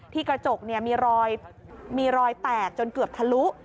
ที่กระจกมีรอยแตกจนเกือบทะลุ